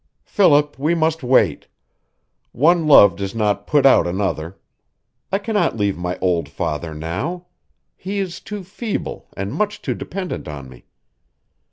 "Philip, we must wait. One love does not put out another. I cannot leave my old father now. He is too feeble and much too dependent on me.